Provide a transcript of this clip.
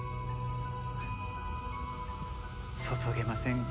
注げませんか？